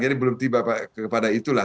jadi belum tiba pada itulah